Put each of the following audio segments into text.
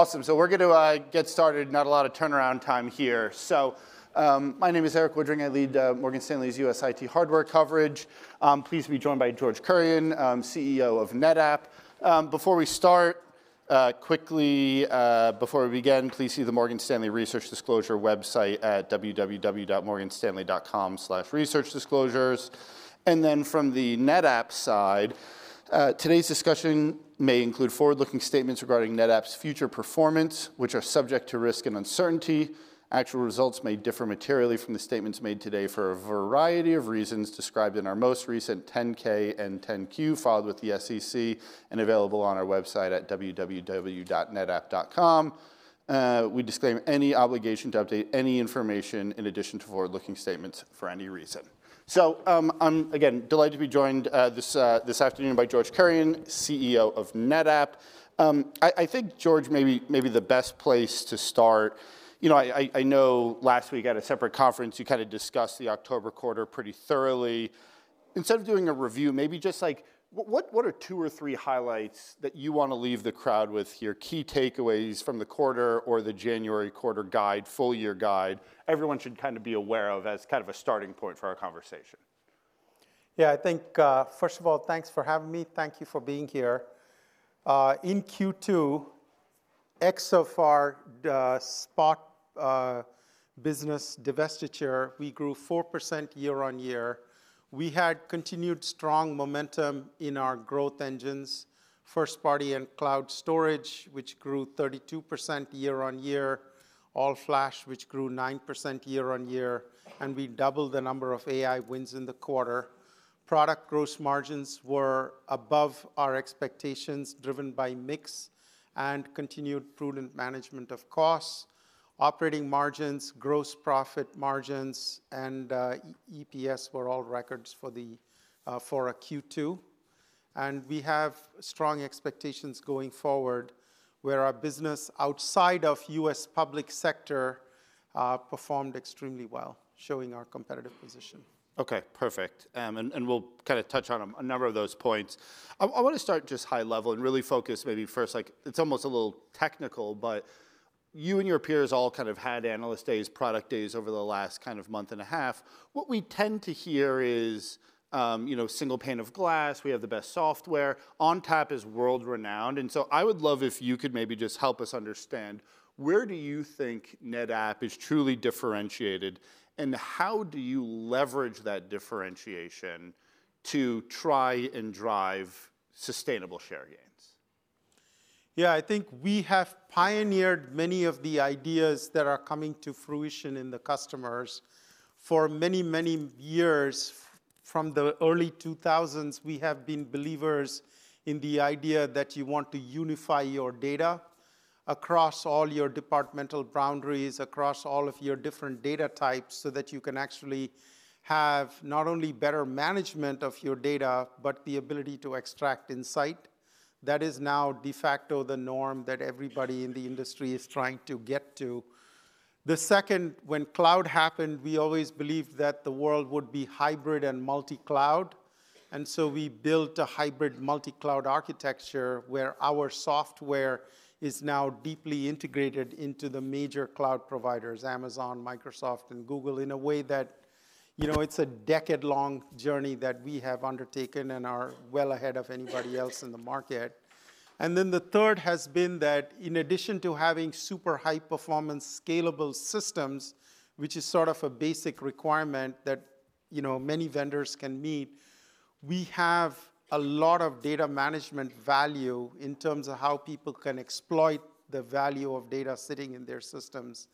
Awesome. We're going to get started. Not a lot of turnaround time here. My name is Erik Woodring. I lead Morgan Stanley's U.S. IT Hardware coverage. Please be joined by George Kurian, CEO of NetApp. Before we start, quickly, before we begin, please see the Morgan Stanley Research Disclosure website at www.morganstanley.com/researchdisclosures. From the NetApp side, today's discussion may include forward-looking statements regarding NetApp's future performance, which are subject to risk and uncertainty. Actual results may differ materially from the statements made today for a variety of reasons described in our most recent 10-K and 10-Q, filed with the SEC, and available on our website at www.netapp.com. We disclaim any obligation to update any information in addition to forward-looking statements for any reason. I'm again delighted to be joined this afternoon by George Kurian, CEO of NetApp. I think, George, maybe the best place to start. You know, I know last week at a separate conference, you kind of discussed the October quarter pretty thoroughly. Instead of doing a review, maybe just like, what are two or three highlights that you want to leave the crowd with here, key takeaways from the quarter or the January quarter guide, full year guide, everyone should kind of be aware of as kind of a starting point for our conversation? Yeah, I think, first of all, thanks for having me. Thank you for being here. In Q2, except for Spot Business divestiture, we grew 4% year-on-year. We had continued strong momentum in our growth engines, first-party and cloud storage, which grew 32% year-on-year, all-flash, which grew 9% year-on-year. And we doubled the number of AI wins in the quarter. Product gross margins were above our expectations, driven by mix and continued prudent management of costs. Operating margins, gross profit margins, and EPS were all records for Q2. And we have strong expectations going forward where our business outside of U.S. public sector performed extremely well, showing our competitive position. OK, perfect. And we'll kind of touch on a number of those points. I want to start just high level and really focus maybe first, like it's almost a little technical, but you and your peers all kind of had analyst days, product days over the last kind of month and a half. What we tend to hear is, you know, single pane of glass, we have the best software, ONTAP is world-renowned. And so I would love if you could maybe just help us understand where do you think NetApp is truly differentiated and how do you leverage that differentiation to try and drive sustainable share gains? Yeah, I think we have pioneered many of the ideas that are coming to fruition in the customers for many, many years. From the early 2000s, we have been believers in the idea that you want to unify your data across all your departmental boundaries, across all of your different data types, so that you can actually have not only better management of your data, but the ability to extract insight. That is now de facto the norm that everybody in the industry is trying to get to. The second, when cloud happened, we always believed that the world would be hybrid and multi-cloud. And so we built a hybrid multi-cloud architecture where our software is now deeply integrated into the major cloud providers, Amazon, Microsoft, and Google, in a way that, you know, it's a decade-long journey that we have undertaken and are well ahead of anybody else in the market. And then the third has been that in addition to having super high-performance scalable systems, which is sort of a basic requirement that, you know, many vendors can meet, we have a lot of data management value in terms of how people can exploit the value of data sitting in their systems.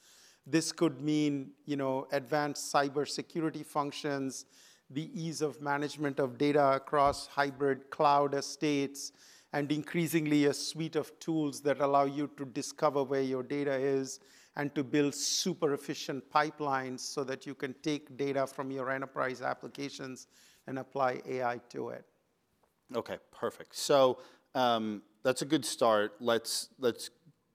This could mean, you know, advanced cybersecurity functions, the ease of management of data across hybrid cloud estates, and increasingly a suite of tools that allow you to discover where your data is and to build super efficient pipelines so that you can take data from your enterprise applications and apply AI to it. OK, perfect. So that's a good start. Let's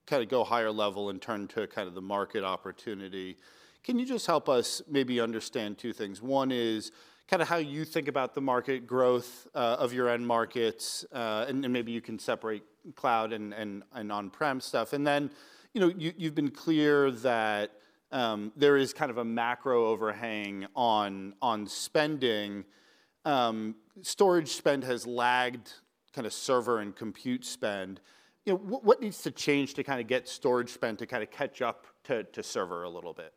kind of go higher level and turn to kind of the market opportunity. Can you just help us maybe understand two things? One is kind of how you think about the market growth of your end markets, and maybe you can separate cloud and on-prem stuff. And then, you know, you've been clear that there is kind of a macro overhang on spending. Storage spend has lagged kind of server and compute spend. What needs to change to kind of get storage spend to kind of catch up to server a little bit?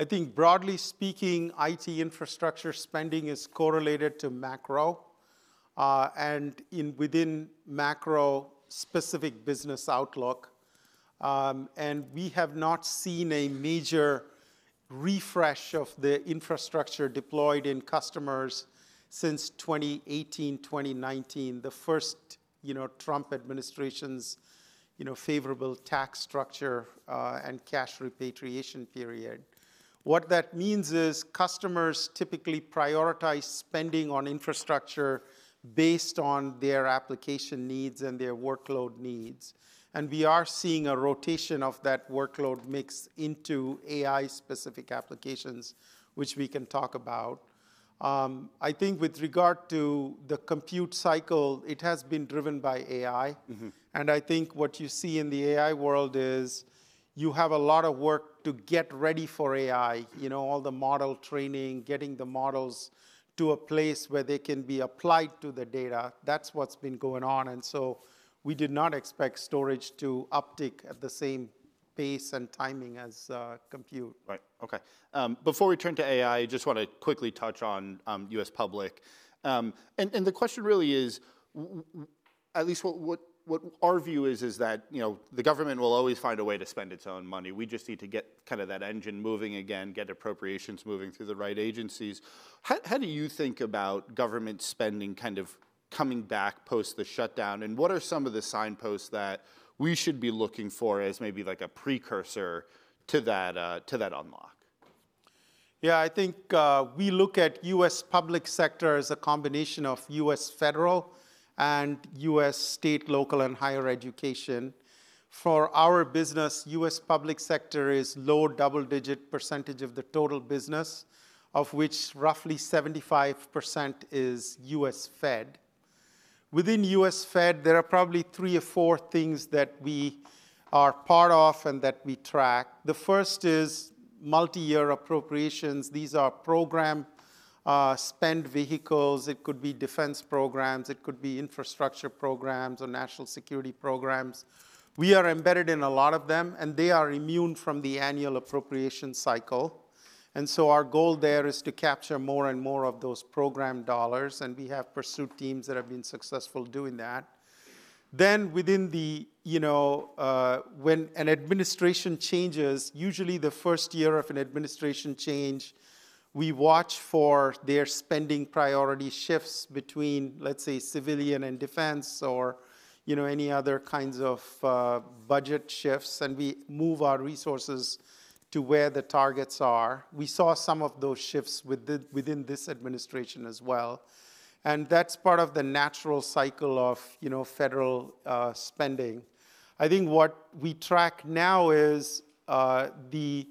I think broadly speaking, IT infrastructure spending is correlated to macro and within macro specific business outlook. And we have not seen a major refresh of the infrastructure deployed in customers since 2018, 2019, the first, you know, Trump administration's, you know, favorable tax structure and cash repatriation period. What that means is customers typically prioritize spending on infrastructure based on their application needs and their workload needs. And we are seeing a rotation of that workload mix into AI-specific applications, which we can talk about. I think with regard to the compute cycle, it has been driven by AI. And I think what you see in the AI world is you have a lot of work to get ready for AI, you know, all the model training, getting the models to a place where they can be applied to the data. That's what's been going on. We did not expect storage to uptick at the same pace and timing as compute. Right. OK. Before we turn to AI, I just want to quickly touch on U.S. public. And the question really is, at least what our view is, is that, you know, the government will always find a way to spend its own money. We just need to get kind of that engine moving again, get appropriations moving through the right agencies. How do you think about government spending kind of coming back post the shutdown? And what are some of the signposts that we should be looking for as maybe like a precursor to that unlock? Yeah, I think we look at U.S. Public Sector as a combination of U.S. Federal and U.S. State, Local, and Higher Education. For our business, U.S. Public Sector is low double-digit percentage of the total business, of which roughly 75% is U.S. Fed. Within U.S. Fed, there are probably three or four things that we are part of and that we track. The first is multi-year appropriations. These are program spend vehicles. It could be defense programs. It could be infrastructure programs or national security programs. We are embedded in a lot of them, and they are immune from the annual appropriation cycle. And so our goal there is to capture more and more of those program dollars. And we have pursuit teams that have been successful doing that. Then within the, you know, when an administration changes, usually the first year of an administration change, we watch for their spending priority shifts between, let's say, civilian and defense or, you know, any other kinds of budget shifts. And we move our resources to where the targets are. We saw some of those shifts within this administration as well. And that's part of the natural cycle of, you know, federal spending. I think what we track now is the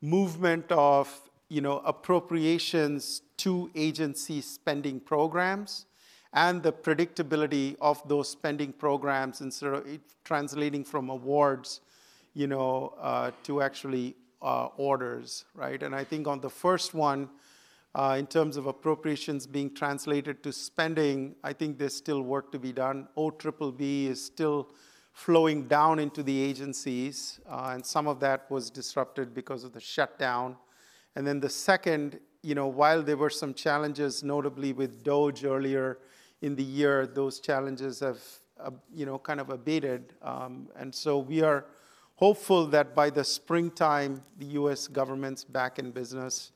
movement of, you know, appropriations to agency spending programs and the predictability of those spending programs instead of translating from awards, you know, to actually orders, right? And I think on the first one, in terms of appropriations being translated to spending, I think there's still work to be done. OBBB is still flowing down into the agencies. And some of that was disrupted because of the shutdown. And then the second, you know, while there were some challenges, notably with DOGE earlier in the year, those challenges have, you know, kind of abated. And so we are hopeful that by the springtime, the U.S. government's back in business.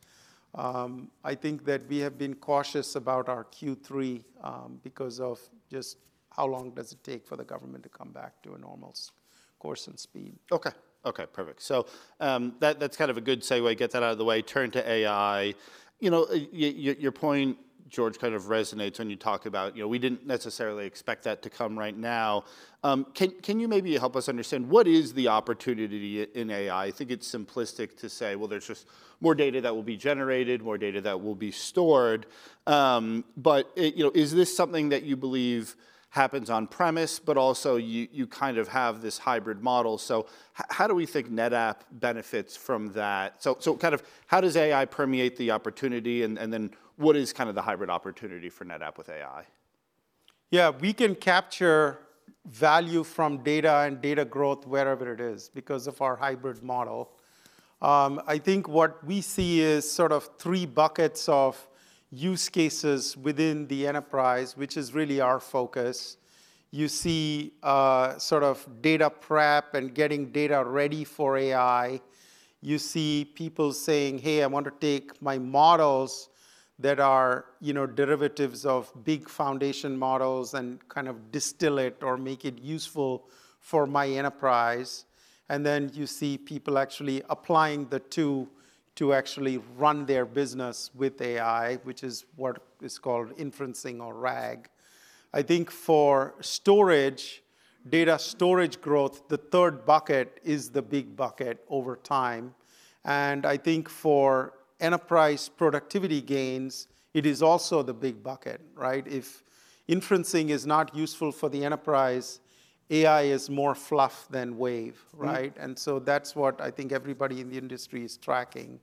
I think that we have been cautious about our Q3 because of just how long does it take for the government to come back to a normal course and speed. OK. OK, perfect. So that's kind of a good segue. Get that out of the way. Turn to AI. You know, your point, George, kind of resonates when you talk about, you know, we didn't necessarily expect that to come right now. Can you maybe help us understand what is the opportunity in AI? I think it's simplistic to say, well, there's just more data that will be generated, more data that will be stored. But, you know, is this something that you believe happens on premise, but also you kind of have this hybrid model? So how do we think NetApp benefits from that? So kind of how does AI permeate the opportunity? And then what is kind of the hybrid opportunity for NetApp with AI? Yeah, we can capture value from data and data growth wherever it is because of our hybrid model. I think what we see is sort of three buckets of use cases within the enterprise, which is really our focus. You see sort of data prep and getting data ready for AI. You see people saying, hey, I want to take my models that are, you know, derivatives of big foundation models and kind of distill it or make it useful for my enterprise. And then you see people actually applying the two to actually run their business with AI, which is what is called Inferencing or RAG. I think for storage, data storage growth, the third bucket is the big bucket over time. And I think for enterprise productivity gains, it is also the big bucket, right? If inferencing is not useful for the enterprise, AI is more fluff than wave, right? And so that's what I think everybody in the industry is tracking.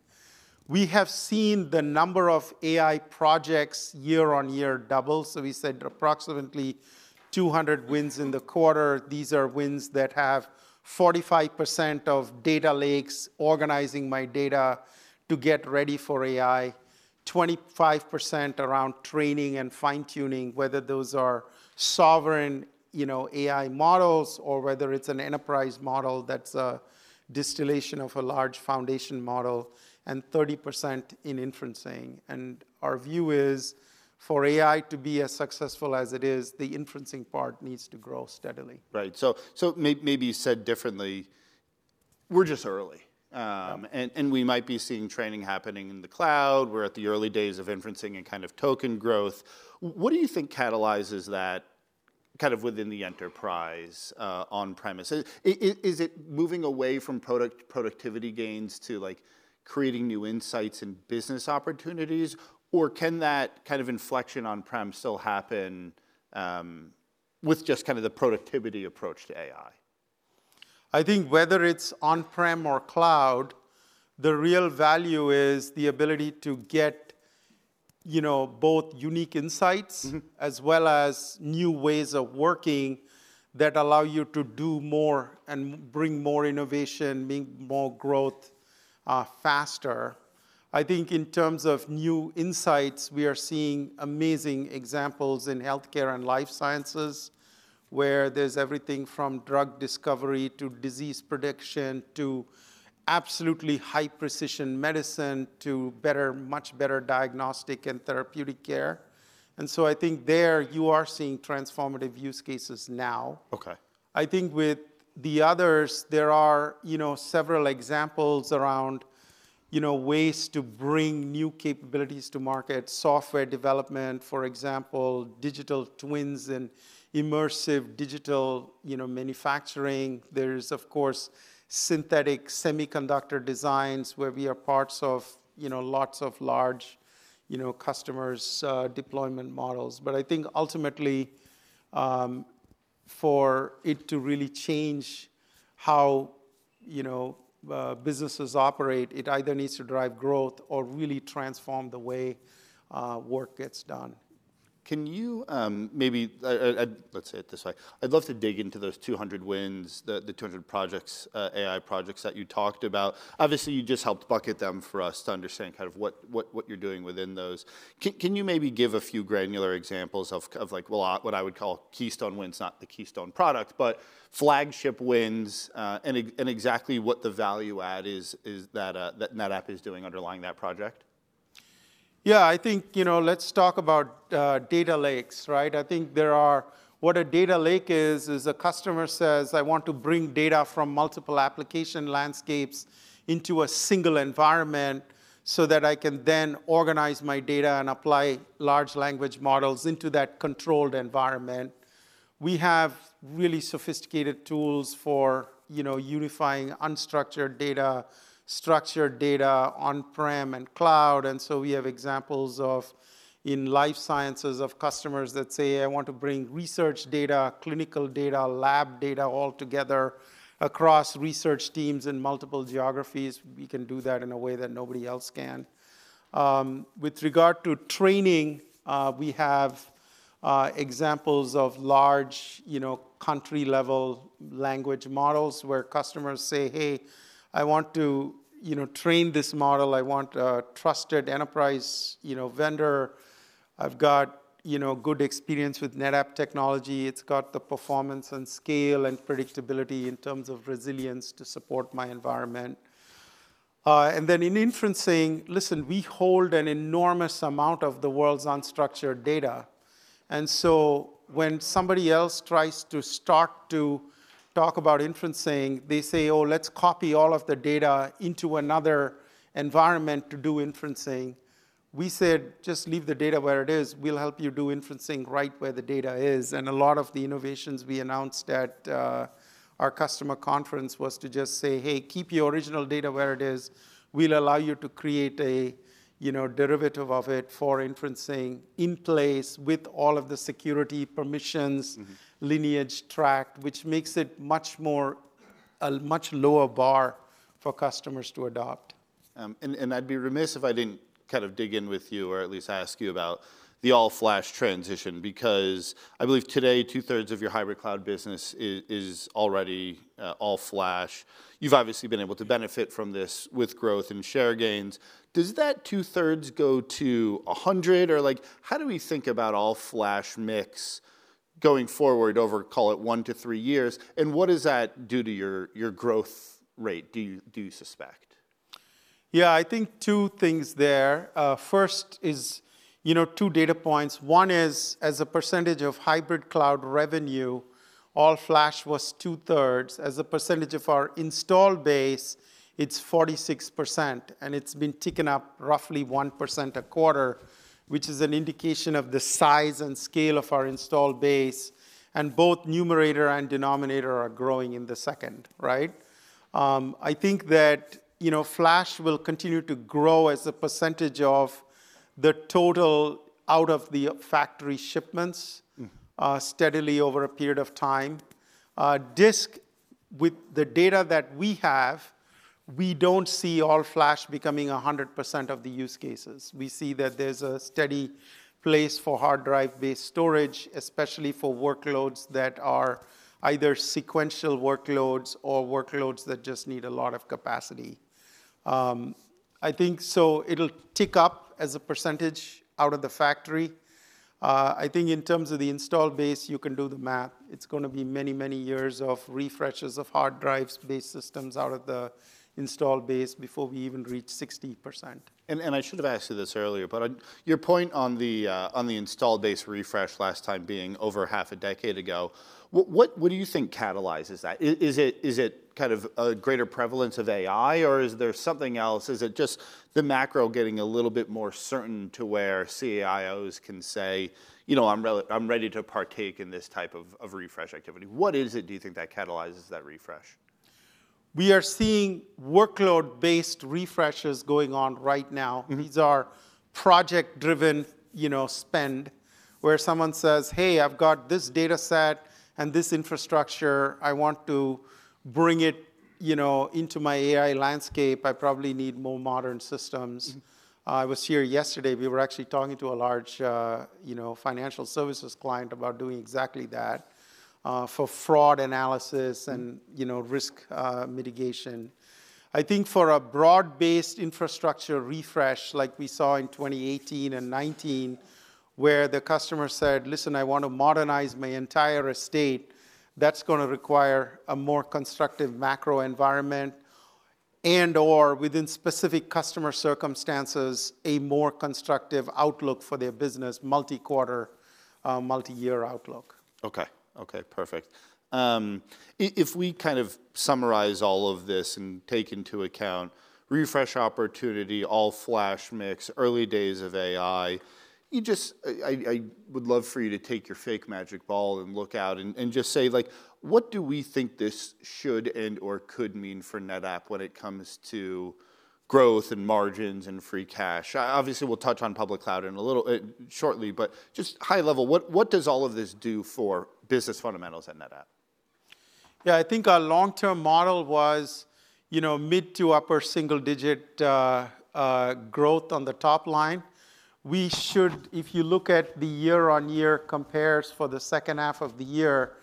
We have seen the number of AI projects year-on-year double. So we said approximately 200 wins in the quarter. These are wins that have 45% of data lakes organizing my data to get ready for AI, 25% around training and fine-tuning, whether those are sovereign, you know, AI models or whether it's an enterprise model that's a distillation of a large foundation model, and 30% in inferencing. And our view is for AI to be as successful as it is, the inferencing part needs to grow steadily. Right. So maybe you said differently, we're just early. And we might be seeing training happening in the cloud. We're at the early days of inferencing and kind of token growth. What do you think catalyzes that kind of within the enterprise on premise? Is it moving away from productivity gains to like creating new insights and business opportunities? Or can that kind of inflection on prem still happen with just kind of the productivity approach to AI? I think whether it's on prem or cloud, the real value is the ability to get, you know, both unique insights as well as new ways of working that allow you to do more and bring more innovation, meaning more growth faster. I think in terms of new insights, we are seeing amazing examples in health care and life sciences where there's everything from drug discovery to disease prediction to absolutely high precision medicine to better, much better diagnostic and therapeutic care. And so I think there you are seeing transformative use cases now. I think with the others, there are, you know, several examples around, you know, ways to bring new capabilities to market, software development, for example, digital twins and immersive digital, you know, manufacturing. There is, of course, synthetic semiconductor designs where we are part of, you know, lots of large, you know, customers' deployment models. But I think ultimately for it to really change how, you know, businesses operate, it either needs to drive growth or really transform the way work gets done. Can you maybe, let's say it this way, I'd love to dig into those 200 wins, the 200 projects, AI projects that you talked about. Obviously, you just helped bucket them for us to understand kind of what you're doing within those. Can you maybe give a few granular examples of like what I would call keystone wins, not the keystone products, but flagship wins and exactly what the value add is that NetApp is doing underlying that project? Yeah, I think, you know, let's talk about data lakes, right? I think there are what a data lake is, is a customer says, I want to bring data from multiple application landscapes into a single environment so that I can then organize my data and apply large language models into that controlled environment. We have really sophisticated tools for, you know, unifying unstructured data, structured data on prem and cloud. And so we have examples of in life sciences of customers that say, I want to bring research data, clinical data, lab data all together across research teams in multiple geographies. We can do that in a way that nobody else can. With regard to training, we have examples of large, you know, country-level language models where customers say, hey, I want to, you know, train this model. I want a trusted enterprise, you know, vendor. I've got, you know, good experience with NetApp technology. It's got the performance and scale and predictability in terms of resilience to support my environment. And then in inferencing, listen, we hold an enormous amount of the world's unstructured data. And so when somebody else tries to start to talk about inferencing, they say, oh, let's copy all of the data into another environment to do inferencing. We said, just leave the data where it is. We'll help you do inferencing right where the data is. And a lot of the innovations we announced at our customer conference was to just say, hey, keep your original data where it is. We'll allow you to create a, you know, derivative of it for inferencing in place with all of the security permissions lineage tracked, which makes it much more a much lower bar for customers to adopt. I'd be remiss if I didn't kind of dig in with you or at least ask you about the all-flash transition because I believe today two-thirds of your hybrid cloud business is already all-flash. You've obviously been able to benefit from this with growth and share gains. Does that two-thirds go to 100? Or like how do we think about all-flash mix going forward over, call it, one to three years? What does that do to your growth rate, do you suspect? Yeah, I think two things there. First is, you know, two data points. One is as a percentage of hybrid cloud revenue, all-flash was two-thirds. As a percentage of our install base, it's 46%. And it's been ticking up roughly 1% a quarter, which is an indication of the size and scale of our install base. And both numerator and denominator are growing in the second, right? I think that, you know, flash will continue to grow as a percentage of the total out of the factory shipments steadily over a period of time. Disk, with the data that we have, we don't see all-flash becoming 100% of the use cases. We see that there's a steady place for hard drive-based storage, especially for workloads that are either sequential workloads or workloads that just need a lot of capacity. I think so it'll tick up as a percentage out of the factory. I think in terms of the install base, you can do the math. It's going to be many, many years of refreshes of hard drives-based systems out of the install base before we even reach 60%. I should have asked you this earlier, but your point on the installed base refresh last time being over half a decade ago, what do you think catalyzes that? Is it kind of a greater prevalence of AI or is there something else? Is it just the macro getting a little bit more certain to where CIOs can say, you know, I'm ready to partake in this type of refresh activity? What is it, do you think, that catalyzes that refresh? We are seeing workload-based refreshes going on right now. These are project-driven, you know, spend where someone says, hey, I've got this data set and this infrastructure. I want to bring it, you know, into my AI landscape. I probably need more modern systems. I was here yesterday. We were actually talking to a large, you know, financial services client about doing exactly that for fraud analysis and, you know, risk mitigation. I think for a broad-based infrastructure refresh like we saw in 2018 and 2019 where the customer said, listen, I want to modernize my entire estate, that's going to require a more constructive macro environment and/or within specific customer circumstances, a more constructive outlook for their business, multi-quarter, multi-year outlook. OK. OK, perfect. If we kind of summarize all of this and take into account refresh opportunity, all-flash mix, early days of AI, you just I would love for you to take your fake magic ball and look out and just say like, what do we think this should and/or could mean for NetApp when it comes to growth and margins and free cash? Obviously, we'll touch on public cloud shortly, but just high level, what does all of this do for business fundamentals at NetApp? Yeah, I think our long-term model was, you know, mid to upper single-digit growth on the top line. We should, if you look at the year-on-year compares for the second half of the year,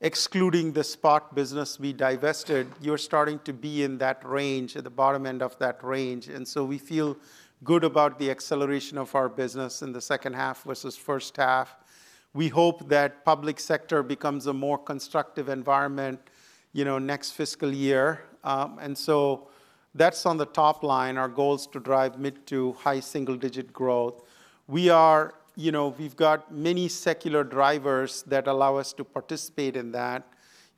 excluding the Spot Business we divested, you're starting to be in that range, at the bottom end of that range. And so we feel good about the acceleration of our business in the second half versus first half. We hope that public sector becomes a more constructive environment, you know, next fiscal year. And so that's on the top line. Our goal is to drive mid to high single-digit growth. We are, you know, we've got many secular drivers that allow us to participate in that,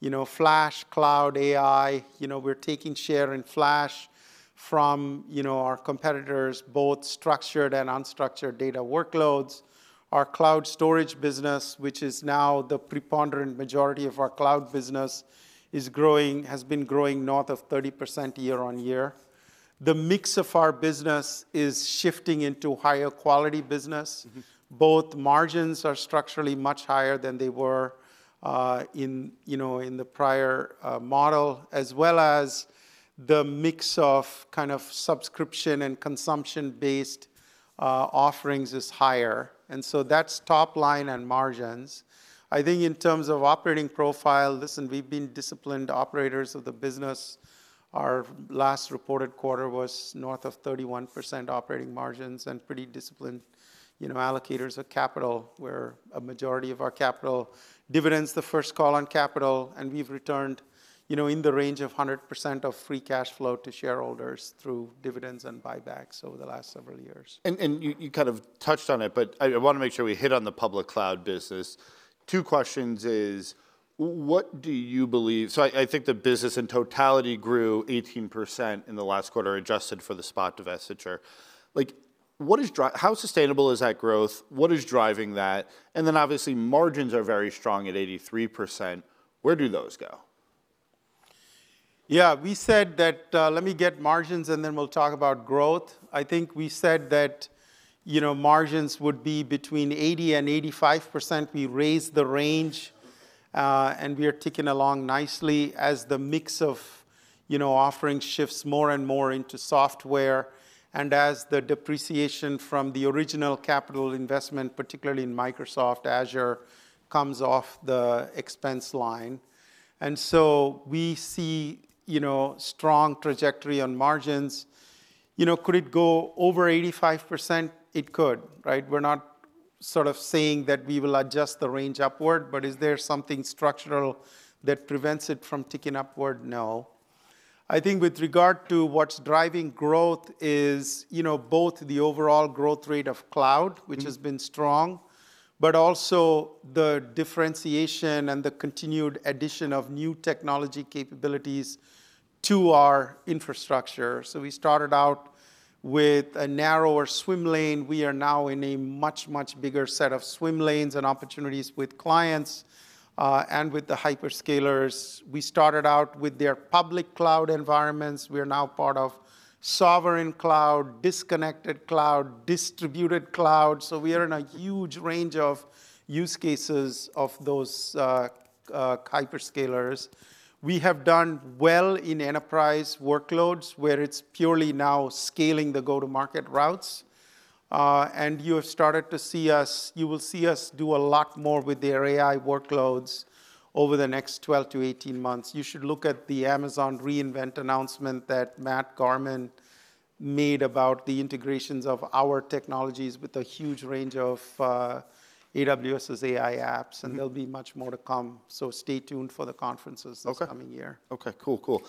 you know, flash, cloud, AI. You know, we're taking share in flash from, you know, our competitors, both structured and unstructured data workloads. Our cloud storage business, which is now the preponderant majority of our cloud business, is growing, has been growing north of 30% year-on-year. The mix of our business is shifting into higher quality business. Both margins are structurally much higher than they were in, you know, in the prior model, as well as the mix of kind of subscription and consumption-based offerings is higher. And so that's top line and margins. I think in terms of operating profile, listen, we've been disciplined operators of the business. Our last reported quarter was north of 31% operating margins and pretty disciplined, you know, allocators of capital where a majority of our capital dividends the first call on capital. And we've returned, you know, in the range of 100% of free cash flow to shareholders through dividends and buybacks over the last several years. You kind of touched on it, but I want to make sure we hit on the public cloud business. Two questions is, what do you believe? I think the business in totality grew 18% in the last quarter, adjusted for the spot divestiture. Like what is how sustainable is that growth? What is driving that? And then obviously margins are very strong at 83%. Where do those go? Yeah, we said that. Let me get margins and then we'll talk about growth. I think we said that, you know, margins would be between 80% and 85%. We raised the range and we are ticking along nicely as the mix of, you know, offerings shifts more and more into software, and as the depreciation from the original capital investment, particularly in Microsoft Azure, comes off the expense line, and so we see, you know, strong trajectory on margins. You know, could it go over 85%? It could, right? We're not sort of saying that we will adjust the range upward, but is there something structural that prevents it from ticking upward? No. I think with regard to what's driving growth is, you know, both the overall growth rate of cloud, which has been strong, but also the differentiation and the continued addition of new technology capabilities to our infrastructure. So we started out with a narrower swim lane. We are now in a much, much bigger set of swim lanes and opportunities with clients and with the hyperscalers. We started out with their public cloud environments. We are now part of sovereign cloud, disconnected cloud, distributed cloud. So we are in a huge range of use cases of those hyperscalers. We have done well in enterprise workloads where it's purely now scaling the go-to-market routes. And you have started to see us. You will see us do a lot more with their AI workloads over the next 12-18 months. You should look at the Amazon re:Invent announcement that Matt Garman made about the integrations of our technologies with a huge range of AWS's AI apps. And there'll be much more to come. So stay tuned for the conferences this coming year. Okay. Cool, cool.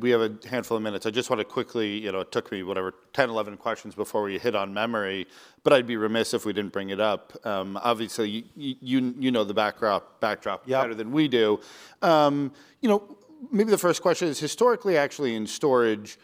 We have a handful of minutes. I just want to quickly, you know, it took me whatever, 10, 11 questions before we hit on memory, but I'd be remiss if we didn't bring it up. Obviously, you know the backdrop better than we do. You know, maybe the first question is historically, actually in storage,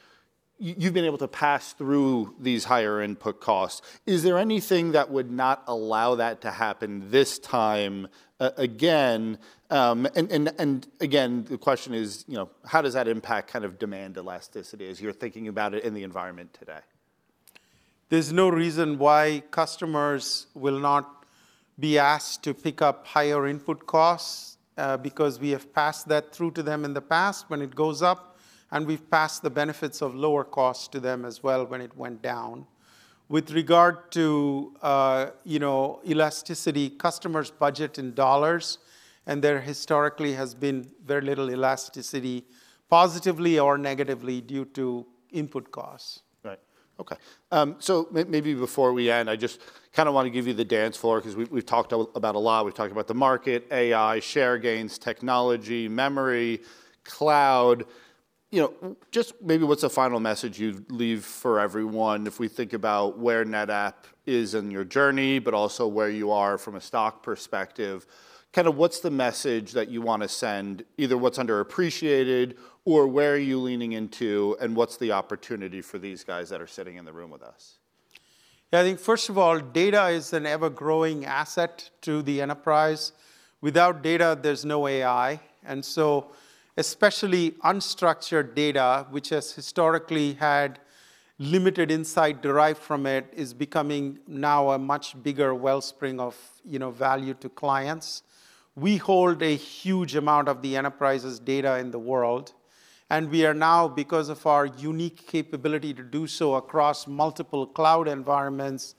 you've been able to pass through these higher input costs. Is there anything that would not allow that to happen this time again? And again, the question is, you know, how does that impact kind of demand elasticity as you're thinking about it in the environment today? There's no reason why customers will not be asked to pick up higher input costs because we have passed that through to them in the past when it goes up, and we've passed the benefits of lower cost to them as well when it went down. With regard to, you know, elasticity, customers budget in dollars and there historically has been very little elasticity, positively or negatively due to input costs. Right. OK. So maybe before we end, I just kind of want to give you the dance floor because we've talked about a lot. We've talked about the market, AI, share gains, technology, memory, cloud. You know, just maybe what's the final message you'd leave for everyone if we think about where NetApp is in your journey, but also where you are from a stock perspective? Kind of what's the message that you want to send, either what's underappreciated or where are you leaning into and what's the opportunity for these guys that are sitting in the room with us? Yeah, I think first of all, data is an ever-growing asset to the enterprise. Without data, there's no AI. And so especially unstructured data, which has historically had limited insight derived from it, is becoming now a much bigger wellspring of, you know, value to clients. We hold a huge amount of the enterprise's data in the world. And we are now, because of our unique capability to do so across multiple cloud environments,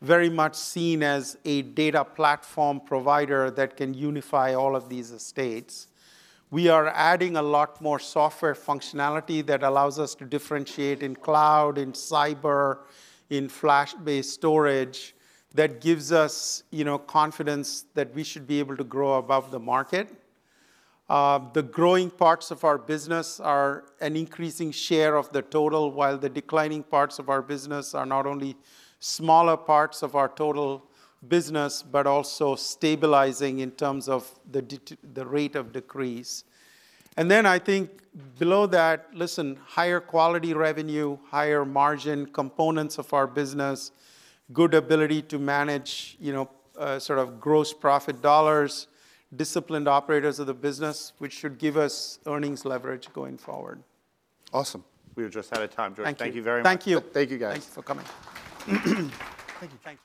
very much seen as a data platform provider that can unify all of these estates. We are adding a lot more software functionality that allows us to differentiate in cloud, in cyber, in flash-based storage that gives us, you know, confidence that we should be able to grow above the market. The growing parts of our business are an increasing share of the total, while the declining parts of our business are not only smaller parts of our total business, but also stabilizing in terms of the rate of decrease. And then I think below that, listen, higher quality revenue, higher margin components of our business, good ability to manage, you know, sort of gross profit dollars, disciplined operators of the business, which should give us earnings leverage going forward. Awesome. We are just out of time. George, thank you very much. Thank you. Thank you, guys. Thank you for coming. Thank you.